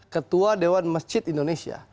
ketua dewan masjid indonesia